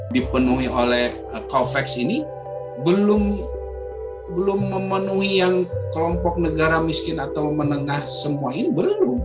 dipenuhi oleh covax ini belum memenuhi yang kelompok negara miskin atau menengah semua ini belum